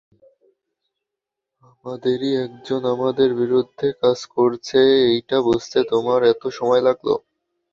আমাদেরই একজন আমাদের বিরুদ্ধে কাজ করছে এইটা বুঝতে তোমার এতো সময় লাগলো?